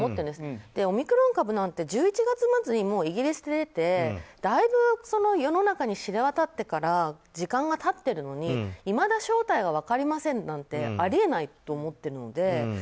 でもオミクロン株なんて１１月末にイギリスで出てだいぶ世の中に知れ渡ってから時間が経っているのにいまだ正体が分かりませんなんてあり得ないと思っているので。